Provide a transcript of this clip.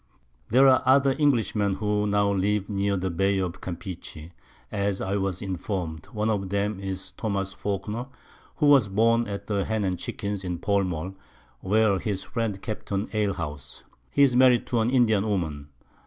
There are other Englishmen who now live near the Bay of Campeche, as I was inform'd; one of 'em is Tho. Falkner, he was born at the Hen and Chickens in Pall mall, where his Friends kept an Alehouse. He is married to an Indian Woman.